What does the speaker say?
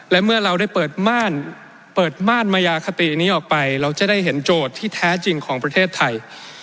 และเมื่อเราได้เปิดม่านเปิดม่านมายาคตินี้ออกไปเราจะได้เห็นโจทย์ที่แท้จริงของประเทศไทย